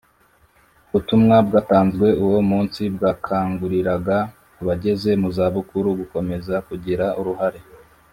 Ubutumwa bwatanzwe uwo munsi bwakanguriraga abageze mu zabukuru gukomeza kugira uruhare